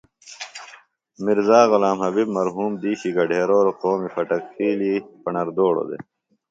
میرزا غلام حبیب مرحوم دِیشی گھڈیروۡ او قومِ فٹک خیلی پݨردوڑہ دےۡ